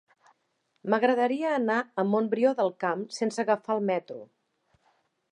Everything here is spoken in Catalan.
M'agradaria anar a Montbrió del Camp sense agafar el metro.